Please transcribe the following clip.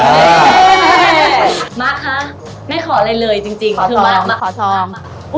มากค่ะไม่ขออะไรเลยจริงขอทอง